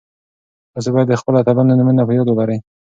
تاسي باید د خپلو اتلانو نومونه په یاد ولرئ.